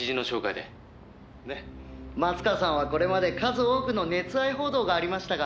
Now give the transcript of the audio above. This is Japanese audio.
「松川さんはこれまで数多くの熱愛報道がありましたが」